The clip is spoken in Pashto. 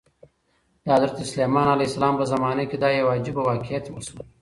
د حضرت سلیمان علیه السلام په زمانه کې دا عجیبه واقعه وشوه.